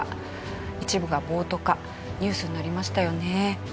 一部が暴徒化ニュースになりましたよね。